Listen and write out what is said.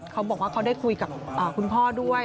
เขาบอกว่าเขาได้คุยกับคุณพ่อด้วย